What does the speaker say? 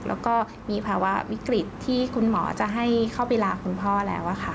แล้วก็มีภาวะวิกฤตที่คุณหมอจะให้เข้าไปลาคุณพ่อแล้วค่ะ